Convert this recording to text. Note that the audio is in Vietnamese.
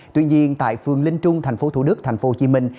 tuy nhiên tại phường linh trung thành phố thủ đức thành phố hồ chí minh